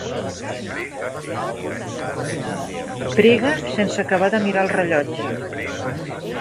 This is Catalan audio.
Prega sense acabar de mirar el rellotge.